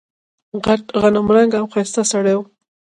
غټ غنم رنګه او ښایسته سړی و.